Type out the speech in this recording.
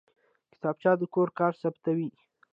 کتابچه د کور کار ثبتوي